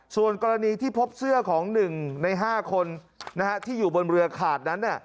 ส่วนกรณีที่พบเสื้อของ๑ใน๕คนที่อยู่บนเรือขาดนั้น